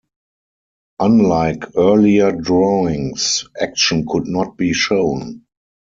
Unlike earlier drawings, action could not be shown.